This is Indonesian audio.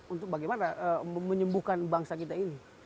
untuk bagaimana menyembuhkan bangsa kita ini